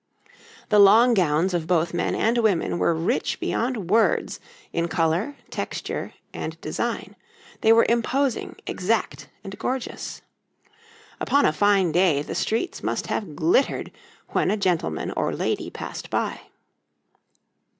The long gowns of both men and women were rich beyond words in colour, texture, and design, they were imposing, exact, and gorgeous. Upon a fine day the streets must have glittered when a gentleman or lady passed by.